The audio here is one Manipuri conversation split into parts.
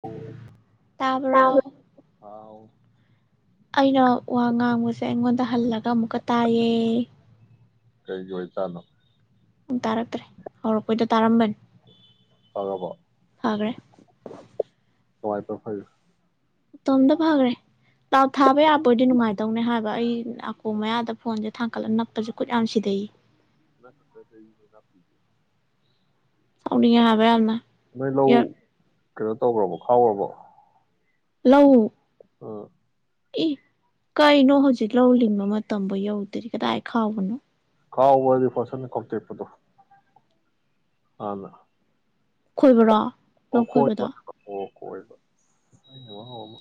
ꯇꯥꯕꯔꯣ ꯍꯥꯑꯣ ꯑꯩꯅ ꯋꯥ ꯉꯥꯡꯕꯁꯦ ꯑꯩꯉꯣꯟꯗ ꯍꯜꯂꯒ ꯑꯃꯨꯛꯀ ꯇꯥꯏꯌꯦ ꯀꯤꯒꯤ ꯑꯣꯏꯖꯠꯅ‌ꯣ ꯇꯥꯔꯛꯇ꯭ꯔꯦ ꯍꯧꯔꯛꯄꯣꯏꯗ ꯇꯥꯔꯝꯕꯅꯤ ꯐꯈ꯭ꯔꯦ [unintelligible] ꯇ‌ꯣꯝꯗ ꯐꯒꯔꯦ ꯇꯥ- ꯊꯥꯕ ꯌꯥꯄꯗꯤ ꯅꯨꯡꯉꯥꯏꯅꯇꯧꯅꯦ ꯍꯥꯏꯕ ꯑꯩ ꯑꯀꯣ ꯃꯌꯥꯗ ꯐꯣꯟꯁꯦ ꯊꯥꯡꯀꯠꯂ ꯅꯛꯄꯁꯨ ꯈꯨꯠ ꯌꯥꯝ ꯁꯤꯗꯩ ꯃ ꯁꯣ ꯀ ꯂꯅꯥꯄꯤꯖꯦ ꯁꯧꯅꯤ ꯍꯥꯏꯕ ꯌꯥꯝꯅ ꯃꯣꯏ ꯂꯧ ꯀꯩꯅꯣ ꯇꯧꯈ꯭ꯔꯕꯣ ꯈꯥꯎꯈ꯭ꯔꯕꯣ ꯂꯧ ꯑ ꯏ ꯀꯩꯅꯣ ꯍꯧꯖꯤꯛ ꯂꯧꯜꯂꯤꯡꯕ ꯃꯇꯝꯐꯣ ꯌꯧꯗ꯭ꯔꯤ ꯀꯗꯥꯏ ꯈꯥꯎꯕꯅꯣ ꯈꯥꯎꯕꯗꯤ ꯐꯣꯁꯅ ꯈꯥꯎꯇꯦꯛꯄꯗꯣ ꯑ ꯈꯣꯏꯕ꯭ꯔꯣ ꯑꯣꯈꯣꯏ ꯑꯣ ꯈꯣꯏꯕ ꯑꯩꯅ ꯃꯍꯥꯎ ꯑꯃ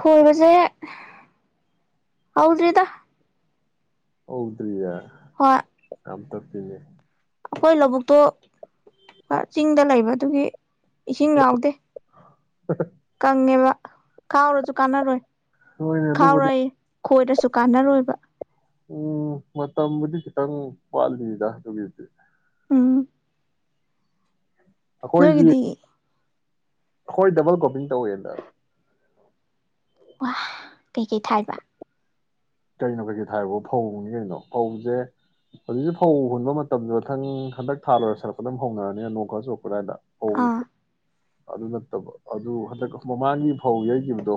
ꯈꯣꯜꯕꯁꯦ ꯍꯥꯎꯗ꯭ꯔꯤꯗ ꯍꯗ꯭ꯔꯤꯌꯦ ꯍꯣꯏ ꯌꯥꯝ ꯇꯄꯤꯅꯦ ꯑꯩꯈꯣꯏ ꯂꯧꯕꯨꯛꯇꯣ ꯆꯤꯡꯗ ꯂꯩꯕ ꯑꯗꯨꯒꯤ ꯏꯁꯤꯡ ꯂꯎꯗꯦ ꯍꯍ ꯀꯪꯉꯦꯕ ꯈꯥꯎꯔꯁꯨ ꯀꯥꯟꯅꯔꯣꯏ ꯍꯣꯏꯅꯦ ꯑꯗꯨꯕꯨꯗꯤ ꯈꯣꯏꯔꯁꯨ ꯀꯥꯟꯅꯔꯣꯏꯕ ꯎꯝ ꯃꯇꯝꯕꯨꯗꯤ ꯈꯤꯇꯪ ꯋꯥꯠꯂꯤꯗ ꯑꯗꯨꯒꯤꯗꯤ ꯅꯣꯢꯒꯤꯗꯤ ꯈꯣꯏ ꯗꯕꯜ ꯀ꯭ꯔꯣꯄꯤꯡ ꯇꯧꯋꯦꯗ ꯋꯥ ꯀꯩꯀꯩ ꯊꯥꯏꯕ ꯀꯩꯅꯣ ꯀꯩꯀꯩ ꯊꯥꯕꯣ ꯐꯧꯅꯤ ꯀꯩꯅꯣ ꯐꯧꯁꯦ ꯍꯧꯖꯤꯛꯁꯦ ꯐꯧ ꯍꯨꯟꯕ ꯃꯇꯝꯗꯨꯗ ꯃꯊꯪ ꯍꯟꯗꯛ ꯊꯥ ꯂꯣꯏꯔ ꯁꯜꯂꯛꯄꯗꯝ ꯍꯧꯅꯔꯅꯤ ꯅꯣꯛ ꯈꯔ ꯆꯣꯛꯄꯗꯥꯏꯗ ꯑꯥ ꯑꯗꯨ ꯅꯠꯇꯕ ꯑꯗꯨ ꯍꯟꯗꯛ ꯃꯃꯥꯡꯒꯤ ꯐꯧ ꯌꯩꯈꯤꯕꯗꯣ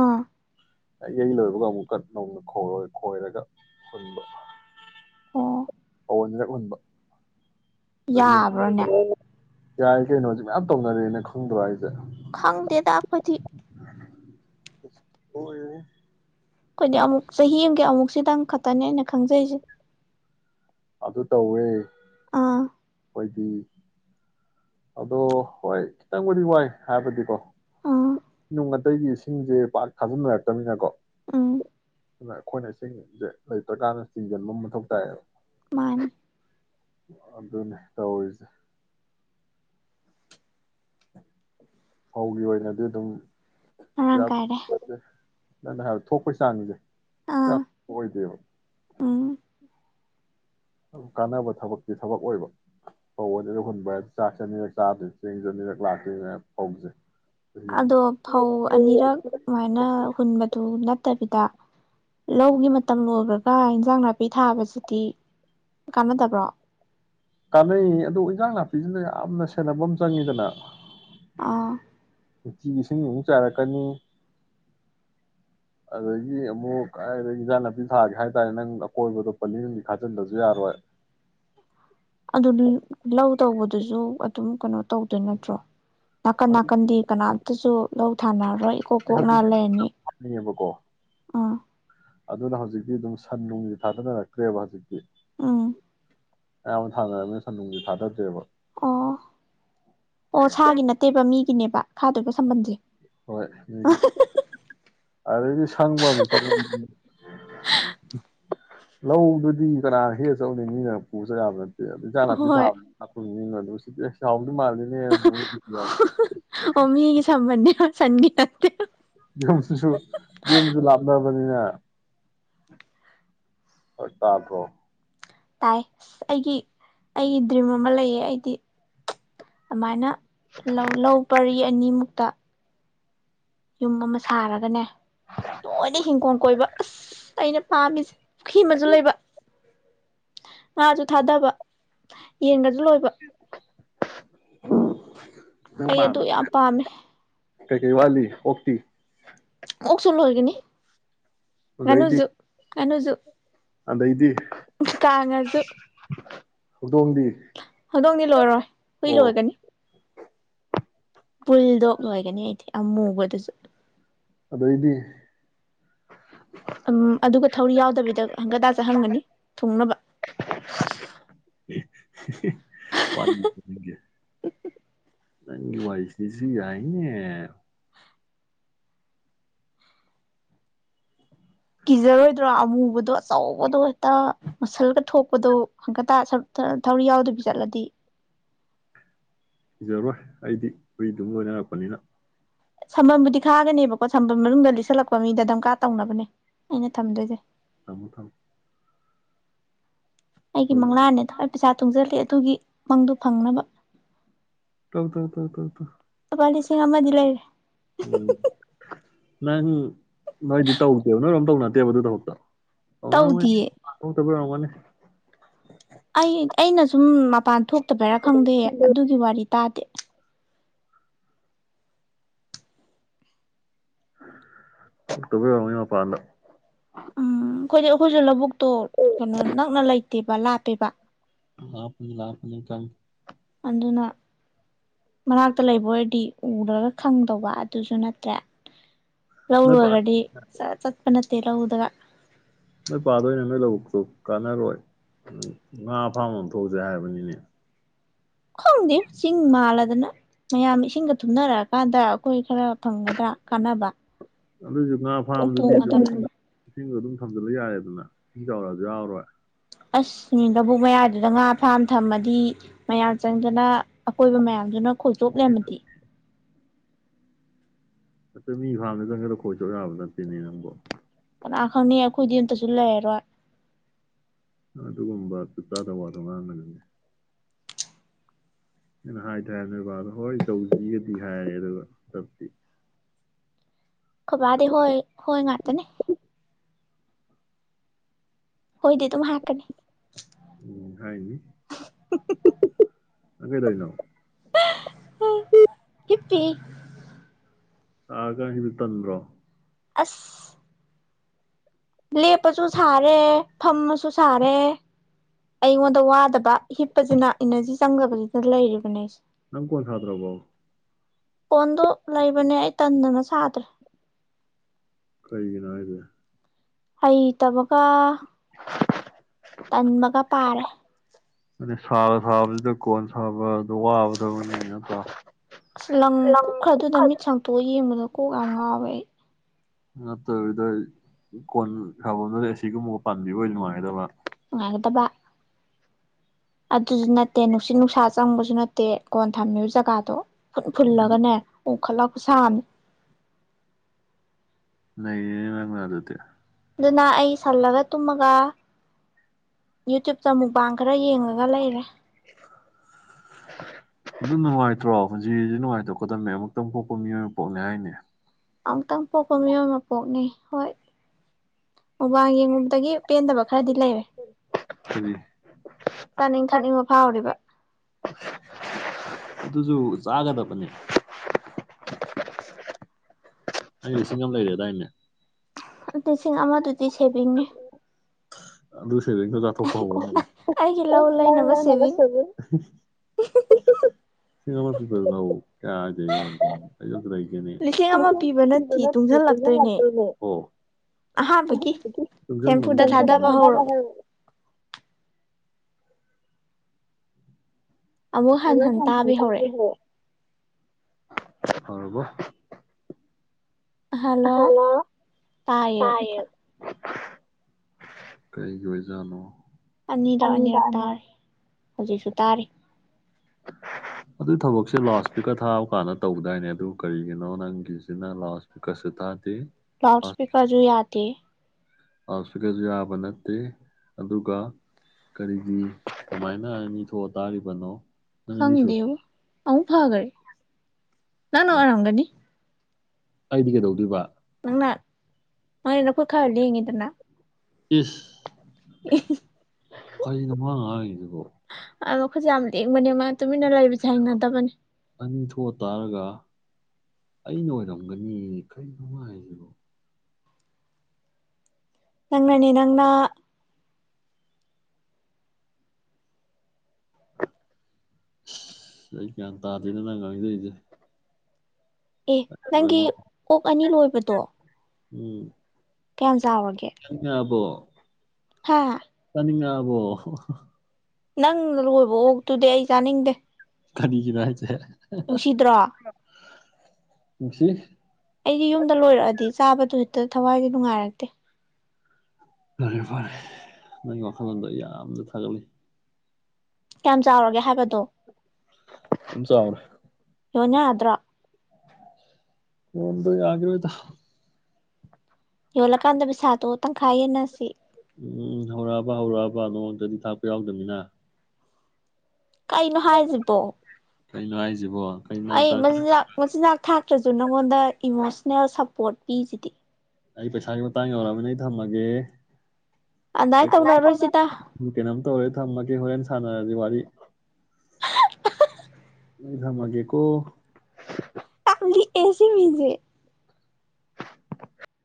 ꯑꯥ ꯌꯩ ꯂꯣꯏꯕꯒ ꯑꯃꯨꯛꯀ ꯅꯧꯅ ꯈꯣꯏꯔꯣꯏ ꯈꯣꯏꯔꯒ ꯍꯨꯟꯕ ꯀꯖꯔꯛꯃꯟꯕ [unintelligible] [unintelligible] ꯌꯥꯏ ꯀꯩꯅꯣ ꯍꯧꯖꯤꯛ ꯃꯌꯥꯝ ꯇꯧꯅꯔꯦꯅ ꯈꯪꯗꯣ ꯍꯥꯢꯁꯦ ꯈꯪꯗꯦꯗꯈꯣꯢꯗꯤ ꯂꯣꯢꯔꯦꯍꯦ ꯑꯩꯈꯣꯏꯗꯤ ꯑꯃꯨꯛ ꯆꯍꯤ ꯑꯃꯒꯤ ꯑꯃꯨꯛꯁꯤꯗꯪ ꯈꯛꯇꯅꯦ ꯑꯩꯅ ꯈꯪꯖꯩꯁꯦ ꯑꯗꯨ ꯇꯧꯋꯦ ꯑꯥ ꯑꯣꯏꯗꯤ ꯑꯗꯣ ꯍꯣꯏ ꯈꯤꯇꯪꯕꯨꯗꯤ ꯋꯥꯏ ꯍꯥꯏꯕꯗꯤꯀꯣ ꯑꯣ ꯑꯇꯩꯒꯤ ꯏꯁꯤꯡꯁꯦ ꯄꯥꯛ ꯊꯥꯖꯤꯟꯅꯔꯛꯇꯅꯤꯅꯀꯣ ꯑꯩꯈꯣꯏꯅ ꯏꯁꯤꯡꯁꯦ ꯂꯩꯇ꯭ꯔ ꯀꯥꯟꯗ ꯆꯤꯡꯁꯤꯟꯕ ꯑꯃ ꯃꯊꯧ ꯇꯥꯏꯌꯦꯕ ꯃꯥꯅꯤ ꯑꯗꯨꯅꯦ ꯇꯧꯔꯤꯁꯦ ꯐꯧꯒꯤ ꯑꯣꯏꯅꯗꯤ ꯑꯗꯨꯝ ꯃꯥꯔꯥꯡ ꯀꯥꯏꯔꯦ ꯁꯝꯅ ꯍꯥꯏꯕ ꯊꯣꯛꯄꯩ ꯆꯥꯡꯁꯦ [unintelligible] ꯑꯣꯏꯗꯦꯕ ꯀꯥꯟꯅꯕ ꯊꯕꯛꯇꯤ ꯊꯕꯛ ꯑꯣꯏꯕ ꯐꯧ ꯑꯣꯏꯅꯤꯔꯛ ꯍꯨꯟꯕ ꯆꯥꯛ ꯆꯅꯤꯔꯛ ꯆꯥꯗꯦ ꯆꯦꯡ ꯆꯅꯤꯔꯛ ꯂꯥꯛꯇꯣꯏꯅꯤꯅ ꯐꯧꯁꯦ ꯑꯗꯣ ꯐꯧ ꯑꯅꯤꯔꯛ ꯑꯗꯨꯃꯥꯏꯅ ꯍꯨꯟꯕꯗꯨ ꯅꯠ ꯅꯠꯇꯕꯤꯗ ꯂꯧꯒꯤ ꯃꯇꯝ ꯂꯣꯏꯕ꯭ꯔꯒ ꯏꯟꯖꯥꯡ ꯅꯥꯄꯤ ꯊꯥꯕꯁꯤꯗꯤ ꯀꯥꯟꯅꯗꯕ꯭ꯔꯣ ꯀꯥꯟꯅꯩ ꯑꯗꯨ ꯏꯟꯖꯥꯡ ꯅꯥꯄꯤꯁꯤꯅ ꯌꯥꯝꯅ ꯁꯦꯟꯅꯕ ꯑꯃ ꯆꯪꯉꯤꯗꯅ ꯑꯥ ꯅꯨꯡꯇꯤ ꯏꯁꯤꯡ ꯑꯃꯨꯛ ꯆꯥꯏꯔꯛꯀꯅꯤ ꯑꯗꯒꯤ ꯑꯃꯨꯛ ꯀ ꯏꯟꯖꯥꯡ ꯅꯥꯄꯤ ꯊꯥꯒꯦ ꯍꯥꯏꯇꯥꯔꯦ ꯅꯪ ꯑꯀꯣꯏꯕꯗꯣ ꯄꯅꯤ ꯅꯪꯒꯤ ꯈꯥꯖꯤꯟꯗꯁꯨ ꯌꯥꯔꯣꯏ ꯑꯗꯨꯗꯤ ꯂꯧ ꯇꯧꯕꯗꯨꯁꯨ ꯑꯗꯨꯝ ꯀꯩꯅꯣ ꯇꯧꯗꯣꯏ ꯅꯠꯇ꯭ꯔꯣ ꯅꯥꯀꯟ ꯅꯥꯀꯟꯗꯤ ꯀꯅꯥꯝꯇꯁꯨ ꯂꯧ ꯊꯥꯅꯔ ꯍꯣꯌ ꯏꯀꯣꯛ ꯀꯣꯛꯅ ꯂꯩꯅꯤ ꯑ ꯑꯗꯨꯅ ꯍꯧꯖꯤꯛꯇꯤ ꯑꯗꯨꯝ ꯁꯟ ꯅꯨꯡ ꯊꯥꯗꯅꯔꯛꯇ꯭ꯔꯦꯕ ꯍꯧꯖꯤꯛꯇꯤ ꯑꯝ ꯑꯌꯥꯝꯕ ꯊꯥꯅꯔꯃꯤꯅ ꯁꯟ ꯅꯨꯪ ꯊꯥꯗ꯭ꯗꯔꯦꯕ ꯑꯣ ꯑꯣ ꯁꯥꯒꯤ ꯅꯠꯇꯦꯕ ꯃꯤꯒꯤꯅꯦꯕ ꯈꯥꯗꯣꯏꯕ ꯁꯝꯕꯟꯁꯦ ꯍꯣꯏ ꯃꯤꯒꯤ ꯑꯗꯏꯗꯤ ꯁꯥꯪꯕ ꯑꯃꯨꯛ ꯆꯠꯂꯥꯅꯤ ꯂꯧꯗꯨꯗꯤ ꯀꯅꯥ ꯍꯦꯀ ꯑꯒ ꯆꯠꯂꯨꯅꯤ ꯃꯤꯅ ꯄꯨꯁꯨ ꯌꯥꯕ ꯏꯟꯖꯡ ꯅꯥꯄꯤ ꯊꯥꯕ [unintelligible] ꯑꯣꯃꯤꯒꯤ ꯁꯃꯕꯥꯟ ꯅꯤ ꯁꯟꯒꯤ ꯅꯠꯇꯦ ꯌꯨꯝꯁꯨ ꯌꯨꯝꯁꯨ ꯂꯥꯞꯅꯕꯅꯤꯅ ꯐꯔꯛ ꯇꯥꯗꯔꯣ ꯇꯥꯏ ꯑ ꯑꯩꯒꯤ ꯑꯩꯒꯤ ꯗ꯭ꯔꯤꯝ ꯑꯃ ꯂꯩꯌꯦ ꯑꯩꯗꯤ ꯑꯗꯨꯃꯥꯏꯅ ꯂꯧ ꯂꯧ ꯄꯔꯤ ꯑꯅꯤꯃꯨꯛꯇ ꯌꯨꯝ ꯑꯃ ꯁꯥꯔꯒꯅꯦ ꯇꯣꯏꯅ ꯍꯤꯉꯣꯜ ꯀꯣꯏꯕ ꯑꯁ ꯑꯩꯅ ꯄꯥꯝꯃꯤꯁꯤ ꯈꯤ ꯑꯃꯖꯨ ꯂꯩꯕ ꯉꯥꯁꯨ ꯊꯥꯗꯕ ꯌꯦꯟꯒꯖꯨ ꯂꯣꯏꯕ ꯎꯝ ꯑꯩ ꯑꯗꯨ ꯌꯥꯝ ꯄꯥꯝꯃꯦ ꯀꯩ ꯀꯩ ꯋꯥꯠꯂꯤ ꯑꯣꯛꯇꯤ ꯑꯣꯛꯖꯨ ꯂꯣꯏꯒꯅꯤ ꯉꯥꯅꯨꯖꯨ ꯉꯥꯅꯨꯖꯨ ꯀꯥꯡꯉꯥꯖꯨ ꯍꯧꯗꯣꯡꯗꯤ ꯂꯣꯏꯔꯣꯏ ꯍꯨꯏ ꯂꯣꯏꯒꯅꯤ ꯕꯨꯜꯗꯣꯛ ꯂꯣꯏꯒꯅꯤ ꯑꯩꯗꯤ ꯑꯃꯨꯕ ꯑꯗꯨꯁꯨ ꯑꯗꯩꯗꯤ ꯎꯝ ꯑꯗꯨꯒ ꯊꯧꯔꯤ ꯌꯥꯎꯗꯕꯤꯗ ꯍꯪꯒꯠ ꯍꯟꯗ ꯆꯠꯍꯟꯒꯅꯤ ꯊꯨꯡꯅꯕ [inaudible] ꯋꯥꯔꯤꯖꯦ ꯅꯪꯒꯤ ꯅꯪꯒꯤ ꯋꯥꯔꯤꯁꯤꯁꯨ ꯌꯥꯏ ꯏꯅꯦ [inaudible] ꯀꯤꯖꯔꯣꯏꯗ꯭ꯔꯣ ꯑꯃꯨꯕꯗꯣ ꯑꯆꯧꯕꯗꯣ ꯍꯦꯛꯇ ꯃꯁꯜꯒ ꯊꯣꯛꯄꯗꯣ ꯍꯪꯒꯠꯇ ꯁꯨꯝ ꯆꯠ ꯊꯧꯔꯤ ꯌꯥꯎꯗꯕꯤ ꯆꯠꯂꯗꯤ ꯀꯤꯖꯔꯣꯏ ꯑꯩꯗꯤ ꯍꯨꯏ ꯑꯗꯨꯝ ꯂꯣꯏꯅꯔꯛꯄꯅꯤꯅ ꯁꯝꯕꯜꯕꯨꯗꯤ ꯈꯥꯒꯅꯤꯕꯀꯣ ꯁꯝꯕꯜ ꯃꯅꯨꯡꯗ ꯂꯤꯠꯁꯜꯂꯛꯄ ꯃꯤꯗ ꯗꯝꯀꯥ ꯇꯧꯅꯕꯅꯦ ꯑꯩꯅ ꯊꯝꯗꯣꯏꯁꯦ ꯊꯝꯃꯣ ꯊꯝꯃꯣ ꯑꯩꯒꯤ ꯃꯪꯂꯥꯟꯅꯦ ꯊ ꯑꯩ ꯄꯩꯁꯥ ꯇꯨꯡꯖꯜꯂꯤ ꯑꯗꯨꯒꯤ ꯃꯪꯗꯣ ꯐꯪꯅꯕ ꯇꯧ ꯇꯧ ꯇꯧ ꯇꯧ ꯇꯧ ꯂꯨꯄꯥ ꯂꯤꯁꯤꯡ ꯑꯃꯗꯤ ꯂꯩꯔꯦ ꯎꯝ ꯅꯪ ꯅꯣꯏꯗꯤ ꯇꯧꯗ꯭ꯔꯣ ꯅꯣꯏꯔꯣꯝ ꯇꯧꯅꯗꯦꯕ ꯑꯗꯨ ꯊꯕꯛꯇꯣ ꯇꯧꯅꯔꯝꯒꯅꯤ ꯃꯄꯥꯟ ꯊꯣꯛꯇꯕꯩ ꯑꯣꯏꯔꯝ ꯀꯣꯅꯦ [inaudible] ꯑꯩ ꯑꯩꯅ ꯁꯨꯝ ꯃꯄꯥꯟ ꯊꯣꯛꯇꯕꯩꯔꯥ ꯈꯪꯗꯦ ꯑꯗꯨꯒꯤ ꯋꯥꯔꯤ ꯇꯥꯗꯦ ꯊꯣꯛꯇꯕꯩ ꯑꯣꯏꯔꯝꯒꯅꯤ ꯃꯄꯥꯟꯗ ꯑꯈꯣꯏꯗꯤ ꯑꯈꯣꯏꯖꯨ ꯂꯧꯕꯨꯛ ꯇꯣꯠ ꯀꯩꯅꯣ ꯅꯛꯅ ꯂꯩ ꯇꯦꯕ ꯂꯥꯞꯄꯦꯕ ꯂꯞꯄꯅꯤ ꯂꯞꯄꯅꯤ ꯈꯪꯏ ꯑꯗꯨꯅ ꯃꯅꯥꯛꯇ ꯂꯩꯕ ꯑꯣꯏꯔꯗꯤ ꯎꯔꯒ ꯈꯪꯗꯧꯕ ꯑꯗꯨꯁꯨ ꯅꯠꯇ꯭ꯔꯦ ꯂꯧ ꯂꯣꯏꯒ꯭ꯔꯗꯤ ꯆꯠ ꯆꯠꯄꯅꯠ ꯇꯦ ꯂꯧꯗꯔ ꯅꯣꯏ ꯄꯥꯗꯣ ꯑꯩꯅ ꯅꯣꯏ ꯂꯧꯕꯨꯛꯇꯣ ꯀꯥꯟꯅꯔꯣꯏ ꯎꯝ ꯉꯥ ꯐꯔꯥꯝ ꯑꯃ ꯑꯣꯟꯊꯣꯛꯑꯁꯦ ꯍꯥꯏꯕꯅꯤꯅꯦ ꯈꯪꯗꯦ ꯆꯤꯡ ꯃꯥꯜꯂꯗꯅ ꯃꯌꯥꯝ ꯏꯁꯤꯡꯒ ꯊꯨꯝꯅꯔꯛ ꯑꯀꯥꯟꯗ ꯑꯩꯈꯣꯏ ꯈꯔ ꯐꯪꯒꯗ꯭ꯔꯥ ꯀꯥꯟꯅꯕ? ꯑꯗꯨꯁꯨ ꯉꯥ ꯐꯥꯝꯗꯨꯗꯤ ꯑꯗꯨꯝ ꯏꯁꯤꯡꯗꯣ ꯑꯗꯨꯝ ꯊꯝꯖꯜꯂ ꯌꯥꯔꯦꯗꯅ ꯏꯁꯤꯡ ꯆꯥꯎꯧꯔꯛ ꯑꯁꯨ ꯌꯥꯎꯔꯣꯏ꯫ ꯑꯁ ꯃꯤ ꯂꯧꯕꯨꯛ ꯃꯌꯥꯏꯗꯨꯗ ꯉꯥ ꯐꯥꯝ ꯊꯝꯃꯗꯤ ꯃꯌꯥꯝ ꯆꯪꯗꯅ ꯑꯀꯣꯏꯕ ꯃꯌꯥꯝꯗꯨꯅ ꯈꯣꯏꯆꯣꯞ ꯂꯩꯔꯝꯃꯗꯤ? ꯍꯦꯛꯇꯥ ꯃꯤ ꯐꯥꯝꯗ ꯆꯪꯉꯒ ꯈꯣꯏ ꯆꯣꯞ ꯌꯥꯕ ꯅꯠꯇꯦꯅꯦ ꯅꯪꯕꯣ ꯀꯅꯥ ꯈꯪꯅꯤ ꯍꯣꯏꯗꯤ ꯑꯝꯇꯁꯨ ꯂꯩꯔꯔꯣꯏ ꯑꯗꯨꯒꯨꯝꯕ ꯖꯨꯠ ꯆꯥꯗ ꯋꯥꯗꯣ ꯉꯥꯡꯒꯅꯨꯅꯦ ꯑꯩꯅ ꯍꯥꯏꯗꯤ ꯍꯥꯏꯕꯅꯦ ꯅꯣꯏ ꯕꯥꯗꯣ ꯍꯣꯏ ꯇꯧꯁꯤꯒꯗꯤ ꯍꯥꯏꯔꯦ ꯑꯗꯨꯒ ꯗꯞꯇꯤ ꯈꯣꯏ ꯕꯥꯗꯤ ꯍꯣꯏ ꯍꯣꯏ ꯉꯛꯇꯅꯦ ꯍꯣꯏꯗꯤ ꯑꯗꯨꯝ ꯍꯥꯏꯔꯛꯀꯅꯤ ꯎꯝ ꯍꯥꯏꯅꯤ [unintelligible] ꯅꯪ ꯀꯩꯗꯧꯔꯤꯅꯣ? [unintelligible] ꯍꯤꯞꯄꯤ ꯁꯥꯔꯥꯀꯥꯟꯁꯤꯗ ꯇꯟꯗ꯭ꯔꯣ? ꯑꯁ ꯂꯦꯞꯄꯁꯨ ꯁꯥꯔꯦ ꯐꯝꯃꯁꯨ ꯁꯥꯔꯦ ꯑꯩꯉꯣꯟꯗ ꯋꯥꯗꯕ ꯍꯤꯞꯄꯁꯤꯅ ꯏꯅꯔꯖꯤ ꯆꯪꯗꯕꯁꯤꯗ ꯂꯩꯔꯤꯕꯅꯦ ꯑꯩꯁꯦ ꯅꯪ ꯀꯣꯟ ꯁꯥꯗ꯭ꯔꯕꯣ? ꯀꯣꯟꯗꯣ ꯂꯩꯕꯅꯦ ꯑꯩ ꯇꯟꯗꯅ ꯁꯥꯗ꯭ꯔꯦ ꯀꯩꯒꯤꯅꯣ ꯍꯥꯏꯖꯦ? ꯍꯩꯇꯕꯒꯥ ꯇꯟꯕꯒꯥ ꯄꯥꯔꯦ ꯃꯥꯅꯦ ꯁꯥꯕ ꯁꯥꯕ ꯁꯤꯗ ꯀꯣꯟ ꯁꯥꯕꯗꯣ ꯋꯥꯕ ꯊꯕꯛꯅꯤꯅꯦ ꯅꯠꯇ꯭ꯔ? ꯑꯁ ꯂꯪ ꯀꯨꯞꯈ꯭ꯔ ꯑꯗꯨꯗ ꯃꯤꯠ ꯁꯪ ꯇꯣ ꯌꯦꯡꯕꯗꯣ ꯀꯣꯛ ꯌꯥꯝ ꯉꯥꯎꯋꯦ ꯑꯩ ꯅꯠꯇꯕꯤꯗꯩ ꯀꯣꯟ ꯁꯥꯐꯝꯗ ꯑꯦꯁꯤ ꯒꯨꯝꯕꯒ ꯄꯥꯟꯕꯤꯕ ꯑꯣꯏꯗꯤ ꯅꯨꯡꯉꯥꯏꯒꯗꯕ ꯅꯨꯡꯉꯥꯏꯒꯗꯕ ꯑꯗꯨꯁꯨ ꯅꯠꯇꯦ ꯅꯨꯡꯁꯤꯠ ꯅꯨꯡꯁꯥ ꯆꯪꯕꯁꯨ ꯅꯠꯇꯦ ꯀꯣꯟ ꯊꯝꯃꯤꯕ ꯖꯒꯥꯗꯣ ꯐꯨꯜꯂꯒꯅꯦ ꯑꯣꯝꯈꯠꯂ ꯈꯨꯁꯥ ꯑꯃꯅꯤ ꯅꯩꯔꯦꯅꯦ ꯅꯪꯅ ꯑꯗꯨꯗꯤ ꯑꯗꯨꯅ ꯑꯩ ꯁꯜꯂꯒ ꯇꯨꯝꯃꯒ ꯌꯨꯇ꯭ꯌꯨꯨꯞꯇ ꯃꯨꯛꯕꯥꯥꯡ ꯈꯔ ꯌꯦꯡꯉꯒ ꯂꯩꯔꯦ ꯑꯗꯨꯝ ꯅꯨꯡꯉꯥꯏꯇ꯭ꯔꯣ ꯄꯨꯟꯁꯤ ꯍꯥꯢꯁꯤ ꯅꯨꯡꯉꯥꯏꯇꯣꯛꯀꯗꯝꯕꯅꯦ ꯑꯃꯨꯛꯇꯪ ꯄꯣꯛꯄ ꯃꯤꯑꯣꯏ ꯃꯄꯣꯛꯅꯦ ꯍꯥꯏꯅꯦ ꯑꯃꯨꯛꯇꯪ ꯄꯣꯛꯄ ꯃꯤꯑꯣꯏ ꯃꯄꯣꯛꯅꯤ ꯍꯣꯏ ꯃꯨꯛꯕꯥꯡ ꯌꯦꯡꯉꯨꯕꯗꯒꯤ ꯄꯦꯟꯗꯕ ꯈꯔꯗꯤ ꯂꯩꯔꯦ ꯆꯥꯅꯤꯡ ꯊꯛꯅꯤꯡꯕ ꯐꯥꯎꯔꯤꯕ ꯑꯗꯨꯁꯨ ꯆꯥꯒꯗꯕꯅꯦ ꯑꯩ ꯂꯤꯁꯤꯡ ꯑꯃ ꯂꯩꯔꯦꯗꯥꯏꯅꯦ ꯂꯤꯁꯤꯡ ꯑꯃꯗꯨꯗꯤ ꯁꯦꯕꯤꯡꯅꯦ ꯑꯗꯨ ꯁꯦꯕꯤꯡꯗꯣ ꯆꯥꯊꯣꯛꯄ ꯍꯧꯔꯣ ꯁꯤ ꯑꯃ [unintelligible] ꯀꯥꯏꯗ ꯌꫭꯟꯖꯥꯠꯅꫭ ꯑꯩ ꯑꯃꯇ ꯂꯩꯒꯦꯅꯦ ꯑꫭ [unintelligible] ꯐꫭꯇꫭ ꯊꯥꯔꯛ [unintelligible] ꯑꯃꯨꯛ ꯍꯟ ꯍꯟ ꯇꯥꯕꯤ ꯍꯧꯔꯑꯦ ꯍꯧꯔꯕꯣ ꯑ ꯍꯂꯣ ꯇꯥꯌꯦ ꯀꯩꯒꯤ ꯑꯣꯏꯖꯥꯠꯅꯣ ꯑꯅꯤꯔꯛ ꯑꯅꯤꯔꯛ ꯇꯥꯔꯦ ꯍꯧꯖꯤꯛꯁꯨ ꯇꯥꯔꯤ ꯑꯗꯨꯏ ꯊꯕꯛꯁꯦ ꯂꯥꯎꯠ ꯏꯁꯄꯤꯀꯔ ꯊꯥꯕ ꯀꯥꯟꯗ ꯇꯧꯗꯥꯏꯅꯦ ꯑꯗꯨ ꯀꯔꯤꯒꯤꯅꯣ ꯅꯪꯒꯤꯁꯤꯅ ꯂꯥꯎꯠ ꯏꯁꯄꯤꯀꯔꯁꯨ ꯊꯥ ꯂꯥꯎꯠꯁꯄꯤꯀꯔꯖꯨ ꯌꯥꯗ ꯇꯦ ꯂꯥꯎꯗ ꯁ꯭ꯄꯤꯀꯔꯁꯨ ꯌꯥꯕ ꯅꯠꯇꯦ ꯑꯗꯨꯒ ꯀꯔꯤꯒꯤ ꯀꯃꯥꯏꯅ ꯑꯅꯤ ꯊꯣꯛꯑ ꯇꯥꯔꯤꯕꯅꯣ ꯗꯪꯗꯦꯕꫭ ꯑꯃꯨꯛ ꯐꯒ꯭ꯔꯦ ꯅꯪꯅ ꯑꫭꯏꯔꯝꯒꯅꯤ ꯑꯩꯗꯤ ꯀꯩꯗꯧꯗꯣꯏꯔꯤꯕ ꯅꯪꯅ ꯅꯪꯗꯤ‌ ꯅꯈꯨꯠ ꯈꯔ ꯂꯦꯡꯉꯤꯗꯅꯥ ꯏꯁ ꯏꯍ ꯀꯩꯅꫭ ꯃꯥ ꯉꯥꯡꯉꯤꯖꯤꯕꫭ ꯑ ꯃꯥ ꯃꯈꯨꯠꯖꯦ ꯌꯥꯝ ꯂꯦꯡꯕꯅꯤ ꯃꯥ ꯇꯨꯃꯤꯟꯅ ꯂꯩꯕꯖꯦ ꯑꯅꯤ ꯊꯣꯛꯑ ꯇꯥꯔꯒ ꯑꯩꯅ ꯑꯣꯏꯔꯝꯒꯅꯤ ꯀꯔꯤꯅꫭ ꯃꯥ ꯍꯥꯏꯔꯤꯁꯤꯕꯣ ꯅꯪꯅꯦ ꯅꯪꯅ ꯁ ꯒ꯭ꯌꯥꯟ ꯇꯥꯗꯦꯗ ꯅꯪꯪꯅ ꯉꯥꯡꯖꯩꯖꯦ ꯑꯦ ꯅꯪꯒꯤ ꯑꯣꯛ ꯑꯅꯤ ꯂꯣꯏꯕꯗꯣ ꯎꯝ ꯀꯌꯥꯝ ꯆꯥꯎꯔꯒꯦ [inaudible] ꯆꯥꯅꯤꯡꯉ ꯕꫭ ꯍ ꯍ ꯍ ꯅꯪꯅ ꯂꯣꯏꯕ ꯑꯣꯛꯇꯨꯗꯤ ꯑꯩ ꯆꯥꯅꯤꯡꯗꯦ ꯀꯔꯤꯒꯤꯅꫭ ꯍꯥꯏꯁꯦ ꯅꯨꯡꯁꯤ ꯑꯩꯗꯤ ꯌꯨꯝꯗ ꯂꯣꯏꯔꯛꯑꯗꯤ ꯆꯥꯕꯗꯨ ꯍꯦꯛꯇ ꯊꯋꯥꯏꯗ ꯅꯨꯡꯉꯥꯏꯔꯛꯇꯦ ꯐꯔꯦ ꯐꯔꯦ ꯅꯪ ꯋꯥꯈꯜꯂꯣꯟꯗ ꯌꯥꯝꯅ ꯊꯥꯒꯠꯂꯤ ꯀꯌꯥꯝ ꯆꯥꯎꯔꯒꯦ ꯍꯥꯏꯕꯗꯣ ꯌꯣꯟ ꯌꯥꯗ꯭ꯔꯣ ꯌꯣꯟꯕ ꯌꯥꯒꯤꯔꯣꯏꯗ ꯌꯣꯜꯂꯀꯥꯟꯗ ꯄꯩꯁꯥꯇꯣ ꯇꯪꯈꯥꯏꯌꯦꯟꯅꯁꯤ ꯎꯝ ꯍꯧꯔꯛꯑꯕ ꯍꯧꯔꯛꯑꯕ ꯅꯣꯡꯃꯇꯗꯤ ꯊꯥꯛꯄ ꯌꯥꯎꯗꯃꯤꯅ ꯀꯩꯅꯣ ꯍꯥꯏꯁꯤꯕꯣ ꯀꯩꯅꯣ ꯍꯥꯏꯁꯤꯕꯣ ꯑꯩ ꯃꯆꯤꯟꯖꯥꯛ ꯃꯆꯤꯟꯖꯥꯛ ꯊꯥꯛ ꯇ꯭ꯔꯁꯨ ꯅꯪꯉꯣꯟꯗ ꯏꯃꯣꯁꯅꯦꯜ ꯁꯄꯣꯔꯠ ꯄꯤꯁꯤꯗꯤ ꯑꯩ ꯄꯩꯁꯥꯒꯤ ꯃꯇꯥꯡ ꯌꯧꯔꯑꯃꯤꯅ ꯑꯩ ꯊꯝꯃꯒꯦ [unintelligible] ꯀꯩꯅꯣꯝ ꯇꯧꯔꯦ ꯊꯝꯃꯒꯦ ꯍꯣꯔꯦꯟ ꯁꯥꯟꯅꯔꯁꯤ ꯋꯥ ꯑꯩ ꯑꯩ ꯊꯝꯃꯒꯦꯀꯣ ꯂꯤꯛꯑꯦ ꯁꯤ ꯃꯤꯁꯦ